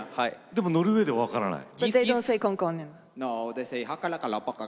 でも、ノルウェーでは分からない？